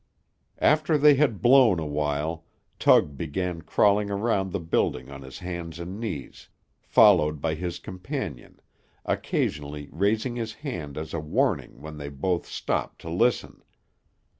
After they had blown awhile, Tug began crawling around the building on his hands and knees, followed by his companion, occasionally raising his hand as a warning when they both stopped to listen.